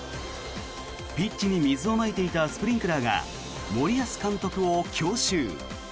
ピッチに水をまいていたスプリンクラーが森保監督を強襲。